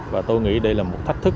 và tôi nghĩ đây là một thách thức